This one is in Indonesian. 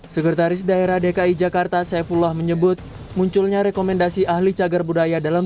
sekretaris daerah dki jakarta saifullah menyebut munculnya rekomendasi ahli cagar budaya dalam